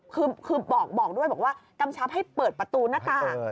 คือบอกด้วยบอกว่ากำชับให้เปิดประตูหน้าต่าง